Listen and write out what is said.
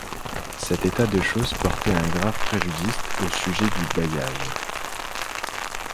Cet état de choses portait un grave préjudice aux sujets du bailliage.